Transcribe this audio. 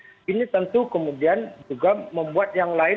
jadi ini tentu kemudian juga membuat yang lebih baik